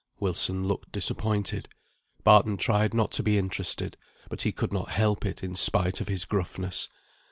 Wilson looked disappointed. Barton tried not to be interested, but he could not help it in spite of his gruffness.